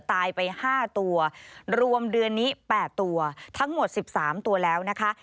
ตายไป๕ตัวรวมเดือนนี้๘ตัวทั้งหมด๑๓ตัวแล้วนะคะ